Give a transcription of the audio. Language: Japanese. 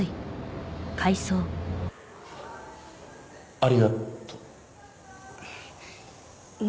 ありがとう何？